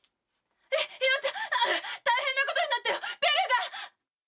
ヒロちゃん大変なことになったよベルが！